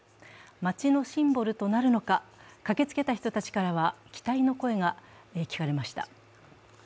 街のシンボルとなるのか、駆けつけた人たちからは期待の声が聞かれました。